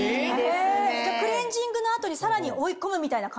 えじゃあクレンジングの後にさらに追い込むみたいな感じ？